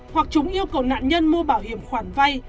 hoặc chúng yêu cầu nạn nhân mua bảo hiểm khoản vay